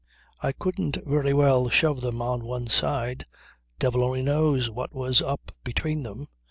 I couldn't very well shove them on one side. Devil only knows what was up between them.